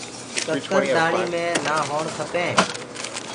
ڪڪر دآݪی مي نآ هوڻ کپينٚ۔